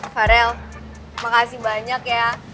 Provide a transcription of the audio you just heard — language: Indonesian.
farel makasih banyak ya